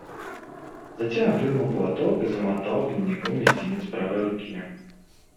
Затем вынул платок и замотал в него мизинец правой руки.